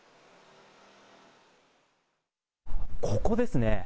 ここですね。